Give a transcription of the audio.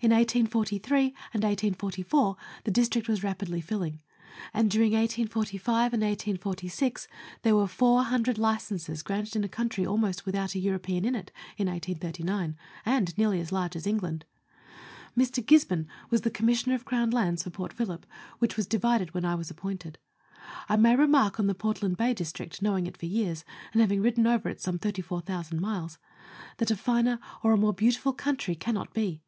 In 1843 and 1844 the district was rapidly filling ; and during 1845 and 1846 there were four hundred licenses granted in a country almost without a European in it in 1839 and nearly as large as England. Mr. Gisborne was the Commissioner of Crown Lands for Port Phillip, which was divided when I was appointed. I may remark on the Portland Bay District knowing it for years, and having ridden over it some thirty four thousand miles that a finer or a more beautiful country cannot be.